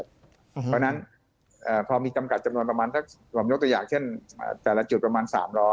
เพราะฉะนั้นพอมีจำกัดจำนวนประมาณสักผมยกตัวอย่างเช่นแต่ละจุดประมาณ๓๐๐